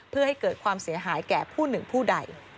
เพื่อให้เกิดความเสียหายแก่ผู้หนึ่งผู้ใด